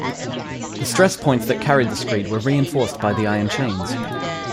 The stress points that carried the screed were reinforced by the iron chains.